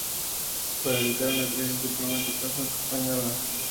Para evitar una crisis diplomática franco-española.